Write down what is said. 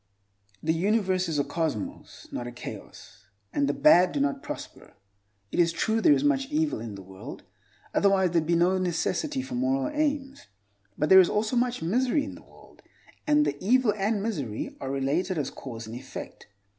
The universe is a cosmos, not a chaos, and the bad do not prosper. It is true there is much evil in the world, otherwise there would be no necessity for moral aims, but there is also much misery in the world, and the evil and misery are related as cause and effect.